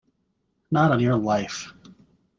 Not on your life.